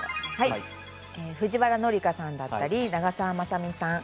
藤原紀香さんや長澤まさみさん